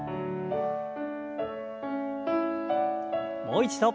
もう一度。